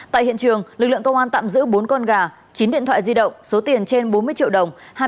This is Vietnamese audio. tại hiện trường lực lượng công an tạm giữ bốn con gà chín điện thoại di động số tiền trên bốn mươi triệu đồng